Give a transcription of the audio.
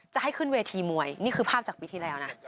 จะให้ขึ้นเวทีมวยนี่คือภาพจากปีที่แล้วนะ